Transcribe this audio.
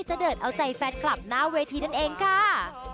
จะเดินเอาใจแฟนคลับหน้าเวทีนั่นเองค่ะ